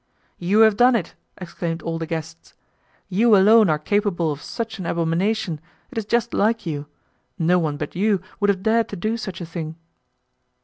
"You have done it," exclaimed all the guests, "you alone are capable of such an abomination; it is just like you. No one but you would have dared to do such a thing!"